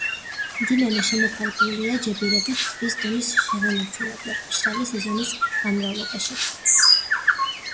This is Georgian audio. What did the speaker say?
მდინარე შემოფარგლულია ჯებირებით ტბის დონის შესანარჩუნებლად მშრალი სეზონის განმავლობაში.